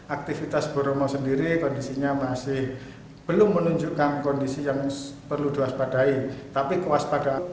aktivitas boromo sendiri kondisinya masih belum menunjukkan kondisi yang perlu diwaspadai tapi kewaspadaan